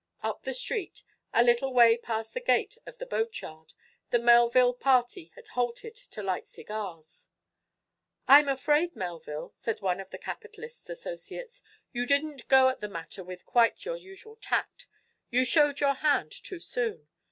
Up the street, a little way past the gate of the boatyard, the Melville party had halted to light cigars. "I'm afraid, Melville," said one of the capitalist's associates, "you didn't go at the matter with quite your usual tact. You showed your hand too soon.